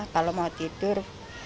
kalau mau tidur